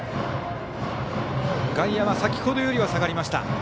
外野は先ほどよりは下がりました。